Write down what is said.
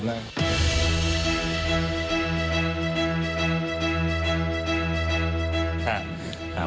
สวัสดีครับ